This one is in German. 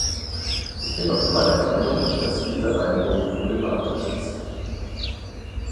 Ich bin noch immer der Meinung, dass diese Einigung problematisch ist.